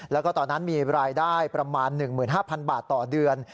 แล้วก็ตอนนั้นมีรายได้ประมาณ๑๕๐๐๐บาทต่อเดือน